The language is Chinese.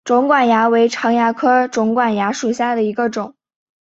肿管蚜为常蚜科肿管蚜属下的一个种。